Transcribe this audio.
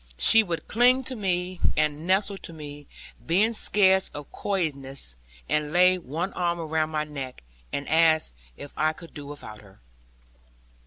She would cling to me, and nestle to me, being scared of coyishness, and lay one arm around my neck, and ask if I could do without her.